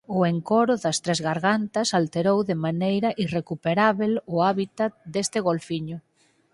O encoro das Tres Gargantas alterou de maneira irrecuperábel o hábitat deste golfiño.